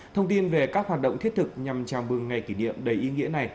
thông tin về các hoạt động thiết thực nhằm trang bưng ngày kỷ niệm đầy ý nghĩa này